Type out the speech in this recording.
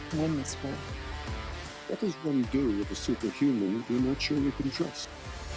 jika manusia tidak bisa dipercaya anda tidak pasti bisa mempercayai